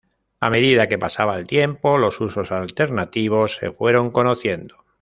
A medida que pasaba el tiempo, los usos alternativos se fueron conociendo.